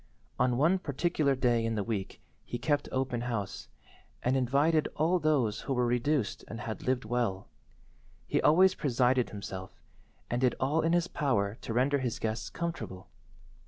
On one particular day in the week he kept open house, and invited only those who were reduced and had lived well. He always presided himself, and did all in his power to render his guests comfortable.